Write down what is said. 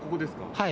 はい。